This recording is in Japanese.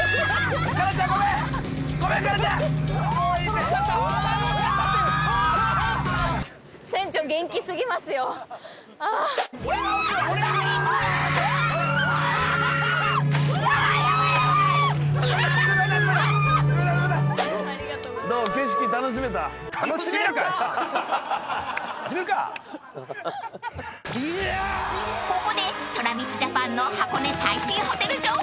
［ここでＴｒａｖｉｓＪａｐａｎの箱根最新ホテル情報］